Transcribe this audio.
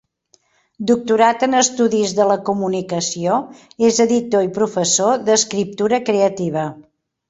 Doctorat en estudis de la comunicació, és editor i professor d'escriptura creativa.